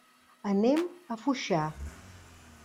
Anem a Foixà.